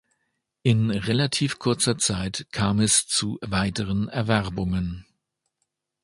In relativ kurzer Zeit kam es zu weiteren Erwerbungen.